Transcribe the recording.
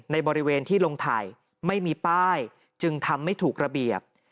ในบริเวณที่ลงถ่ายไม่มีป้ายจึงทำไม่ถูกระเบียบ